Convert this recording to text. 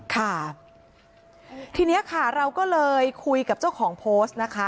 ค่ะทีนี้ค่ะเราก็เลยคุยกับเจ้าของโพสต์นะคะ